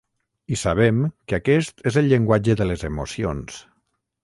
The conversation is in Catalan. I sabem que aquest és el llenguatge de les emocions.